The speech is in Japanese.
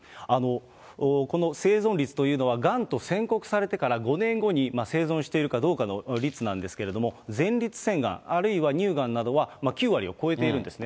この生存率というのは、がんと宣告されてから５年後に生存しているかどうかの率なんですけれども、前立腺がん、あるいは乳がんなどは９割を超えているんですね。